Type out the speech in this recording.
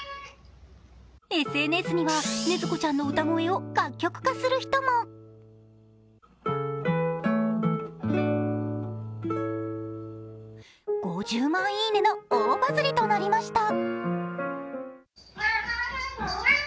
ＳＮＳには、ねずこちゃんの歌声を楽曲化する人も５０万いいねの大バズりとなりました。